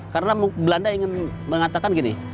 karena belanda ingin mengatakan gini